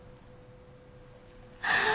ああ。